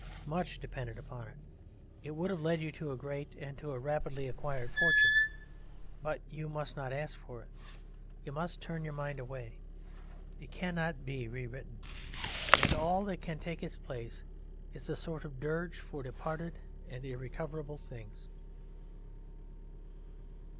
Much depended upon it; it would have led you to a great and to a rapidly acquired fortune; but you must not ask for it. You must turn your mind away. It cannot be re written, and all that can take its place is a sort of dirge for departed and irrecoverable things.